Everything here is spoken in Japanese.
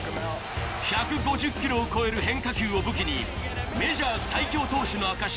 １５０キロを超える変化球を武器にメジャー最優秀選手の証し